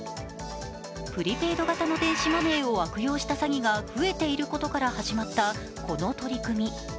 プリペイド型の電子マネーを悪用した詐欺が増えていることから始まったこの取り組み。